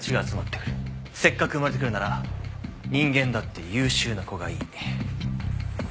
せっかく生まれてくるなら人間だって優秀な子がいい。